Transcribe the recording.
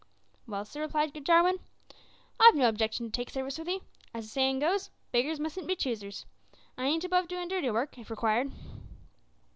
"Well, sir," replied Jarwin, "I've no objection to take service with 'ee. As the sayin' goes, `beggars mustn't be choosers.' I ain't above doin' dirty work, if required."